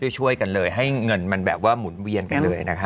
ช่วยกันเลยให้เงินมันแบบว่าหมุนเวียนกันเลยนะคะ